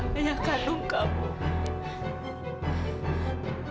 ini adalah yang kandung kamu